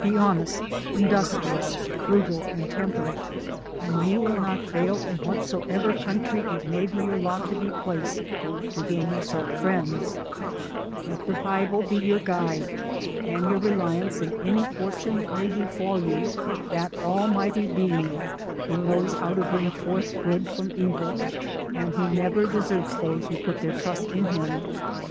Be honest, industrious, fru gal, and temperate, and you will not fail, in what soever country it may be your lot to be placed, to gain yourself friends Let the Bible be your guide, and your reliance in any fortune that may befal you, that Almighty Being, who knows how to bring forth good from evil, and who never deserts those who put their trust in him.